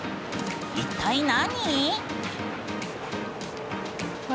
一体何？